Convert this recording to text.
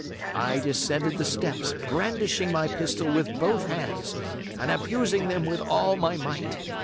I descended the steps, brandishing my pistol with both hands, and abusing them with all my might.